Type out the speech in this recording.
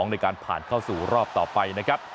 ในการผ่านเข้าสู่รอบต่อไปนะครับ